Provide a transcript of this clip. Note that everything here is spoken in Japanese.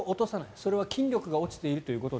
それは筋力が落ちているということに